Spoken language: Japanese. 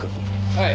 はい。